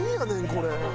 これ。